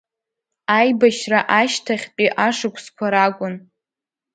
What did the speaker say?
Аибашьра ашьҭахьтәи ашықәсқәа ракәын.